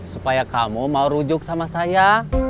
supaya kamu mau rujuk sama saya